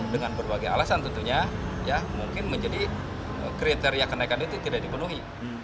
dengan berbagai alasan tentunya ya mungkin menjadi kriteria kenaikan itu tidak dipenuhi